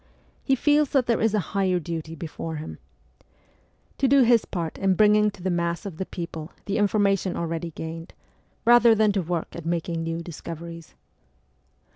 He feels that there is a higher duty before him to do his part in bringing xii MEMOIRS OF A REVOLUTIONIST to the mass of the people the information already gained, rather than to work at making new dis coveries.